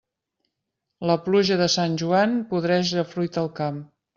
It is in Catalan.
La pluja de Sant Joan podreix la fruita al camp.